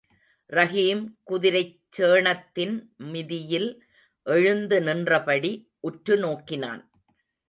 ரஹீம் குதிரைச் சேணத்தின் மிதியில் எழுந்து நின்றபடி உற்று நோக்கினான்.